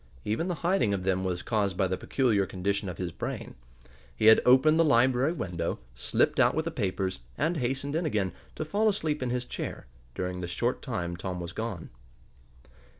Even the hiding of them was caused by the peculiar condition of his brain. He had opened the library window, slipped oot with the papers, and hastened in again, to fall asleep in his chair, during the short time Tom was gone.